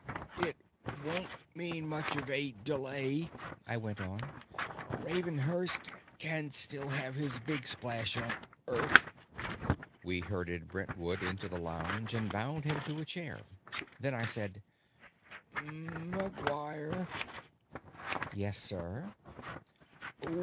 "It won't mean much of a delay," I went on. "Ravenhurst can still have his big splash on Earth." We herded Brentwood into the lounge and bound him to a chair. Then I said: "McGuire?" "Yes, sir?"